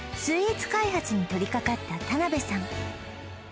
スイーツ開発に取りかかった田辺さん